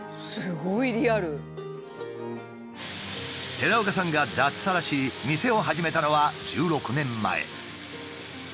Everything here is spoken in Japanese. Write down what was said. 寺岡さんが脱サラし店を始めたのは１６年前。